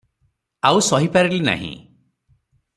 ଆଉ ସହି ପାରିଲି ନାହିଁ ।